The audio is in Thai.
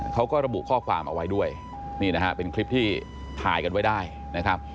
เขาก็ระบุข้อความเอาไว้ด้วยนี่นะฮะเป็นคลิปที่ถ่ายกันไว้ได้นะครับ